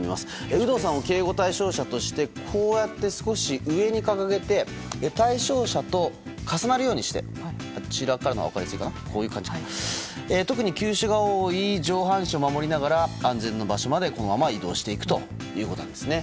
有働さんを警護対象者としてこうやって少し上に掲げて対象者と重なるようにして特に急所が多い上半身を守りながら安全な場所までこのまま移動していくということです。